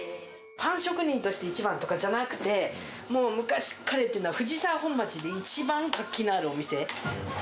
パン職人として一番とかじゃなくて、もう昔から言ってるのは、藤沢本町で一番活気のあるお店。